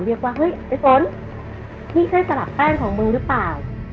เฮ้ยไอ้ฝนนี่ใช่สลับแป้งของมึงหรือเปล่า